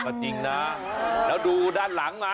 ก็จริงนะแล้วดูด้านหลังมา